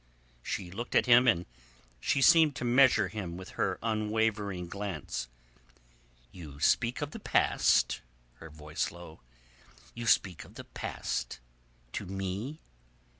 She looked at him and she seemed to measure him with her unwavering glance. "You speak of the past?" she echoed, her voice low. "You speak of the past and to me?